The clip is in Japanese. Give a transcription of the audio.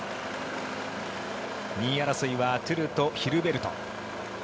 ２位争いはトゥルとヒルベルト。